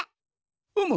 うむ。